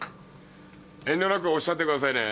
遠慮なくおっしゃってくださいね。